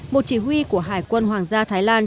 một chỉ huy của hải quân hoàng gia thái lan